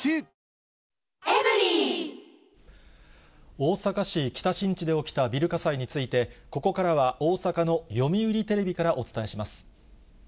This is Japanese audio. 大阪市北新地で起きたビル火災について、ここからは大阪のよみうりテレビからお伝えします。